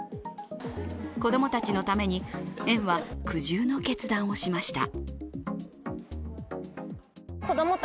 子供たちのために、園は苦渋の決断をしました。